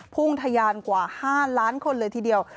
ทะยานกว่า๕ล้านคนเลยทีเดียว